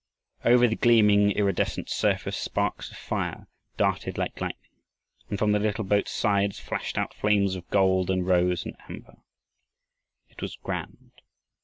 Over the gleaming iridescent surface, sparks of fire darted like lightning, and from the little boat's sides flashed out flames of gold and rose and amber. It was grand.